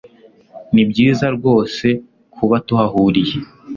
nibyiza rwose kuba tuhahuriye